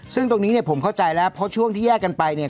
ซึ่งตรงนี้เนี่ยผมเข้าใจแล้วเพราะช่วงที่แยกกันไปเนี่ย